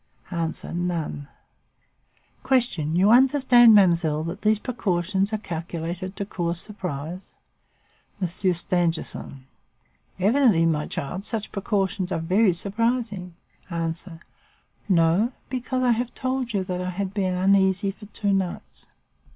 "A. None. "Q. You understand, mademoiselle, that these precautions are calculated to cause surprise? "M. Stangerson. Evidently, my child, such precautions are very surprising. "A. No; because I have told you that I had been uneasy for two nights.